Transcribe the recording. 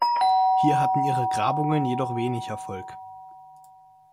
Hier hatten ihre Grabungen jedoch wenig Erfolg.